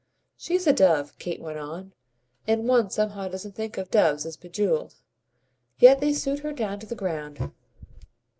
"She's a dove," Kate went on, "and one somehow doesn't think of doves as bejewelled. Yet they suit her down to the ground."